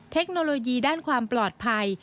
เทคโนโลยีด้านความปลอดภัย